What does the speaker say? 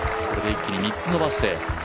これで一気に３つ伸ばして。